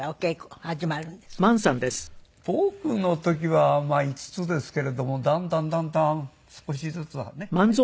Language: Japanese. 僕の時は５つですけれどもだんだんだんだん少しずつはね早くなって。